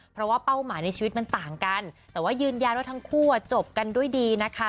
เพราะว่าเป้าหมายในชีวิตมันต่างกันแต่ว่ายืนยันว่าทั้งคู่จบกันด้วยดีนะคะ